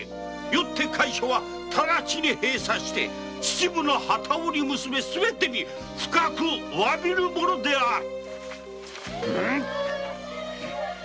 よって余は直ちに会所を閉鎖し秩父の機織り娘すべてに深くわびるものである」